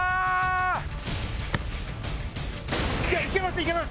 いけます！